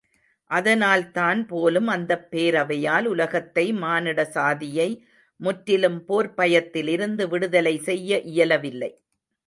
அதனால்தான் போலும் அந்தப் பேரவையால் உலகத்தை மானிட சாதியை முற்றிலும் போர்ப் பயத்திலிருந்து விடுதலை செய்ய இயலவில்லை.